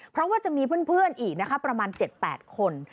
เพราะว่าจะมีเพื่อนอีกนะคะประมาณ๗๘คน